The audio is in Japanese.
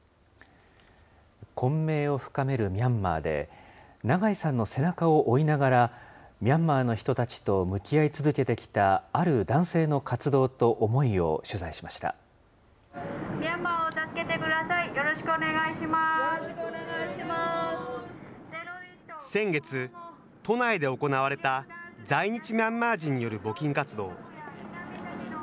混迷を深めるミャンマーで、長井さんの背中を追いながら、ミャンマーの人たちと向き合い続けてきたある男性の活動と思いをミャンマーを助けてください、先月、都内で行われた在日ミャンマー人による募金活動。